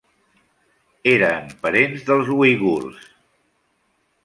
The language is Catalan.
Eren parents dels uigurs.